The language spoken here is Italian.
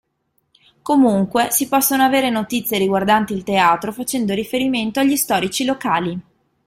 Comunque, si possono avere notizie riguardanti il teatro facendo riferimento agli storici locali.